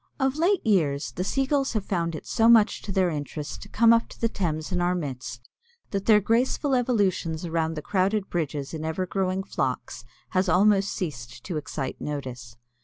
Of late years the Sea Gulls have found it so much to their interest to come up to the Thames in our midst that their graceful evolutions around the crowded bridges in ever growing flocks has almost ceased to excite notice.